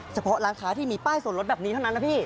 เฉพาะร้านค้าที่มีป้ายส่วนลดแบบนี้เท่านั้นนะพี่